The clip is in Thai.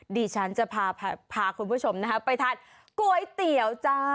ดิฉันจะพาคุณผู้ชมไปทานก๋วยเตี๋ยวจ้า